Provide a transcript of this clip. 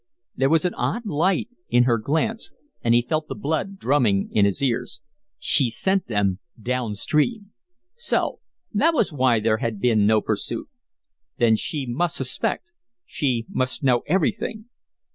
There was an odd light in her glance, and he felt the blood drumming in his ears. She sent them down stream! So that was why there had been no pursuit! Then she must suspect she must know everything!